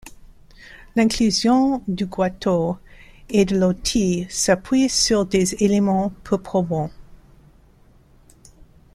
L'inclusion du guató et de l'otí s'appuie sur des éléments peu probants.